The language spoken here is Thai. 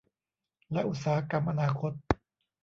และอุตสาหกรรมอนาคต